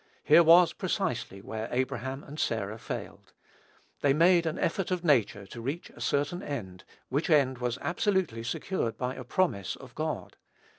Here was, precisely, where Abraham and Sarah failed. They made an effort of nature to reach a certain end, which end was absolutely secured by a promise of God.